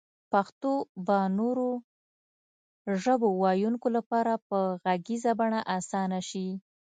پښتو به نورو ژبو ويونکو لپاره په غږيزه بڼه اسانه شي